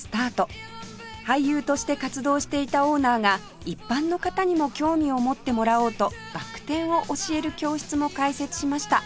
俳優として活動していたオーナーが一般の方にも興味を持ってもらおうとバク転を教える教室も開設しました